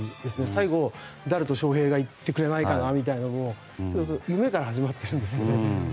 最後、ダルと翔平がいってくれないかなみたいなのも夢から始まってるんですよね。